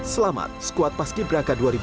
selamat squad paski beraka dua ribu delapan belas